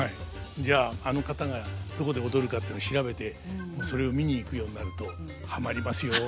じゃああの方がどこで踊るかっていうの調べてそれを見に行くようになるとはまりますよ。